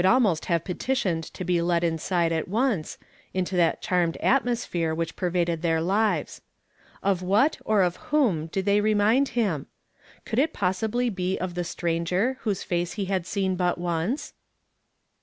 141 almost have petitioiuul to hv, let iiisido at once, into that channcd atinnsphi'ie whi* h pervaded thi'ir lives. Of what or of whom tlid they remind him? C'onld it possihly be of the stranger whose face he iiad seen but once